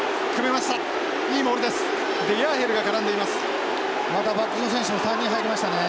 またバックスの選手も３人入りましたね。